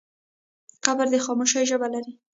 قبر د خاموشۍ ژبه لري.